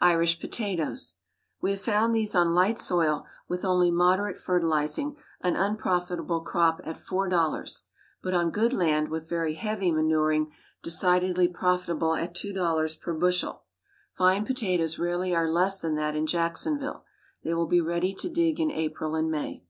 IRISH POTATOES. We have found these on light soil, with only moderate fertilizing, an unprofitable crop at four dollars, but on good land, with very heavy manuring, decidedly profitable at two dollars per bushel. Fine potatoes rarely are less than that in Jacksonville. They will be ready to dig in April and May.